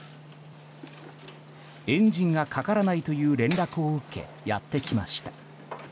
エンジンがかからないという連絡を受け、やってきました。